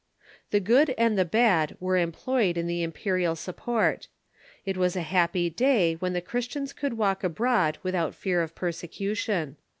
The good and the bad were employed in the imperial sup port. It was a happy day when the Christians could walk abroad without fear of persecution.